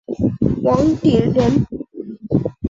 王鼎人。